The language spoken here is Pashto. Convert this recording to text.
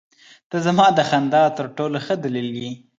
• ته زما د خندا تر ټولو ښه دلیل یې.